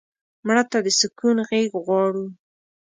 مړه ته د سکون غېږ غواړو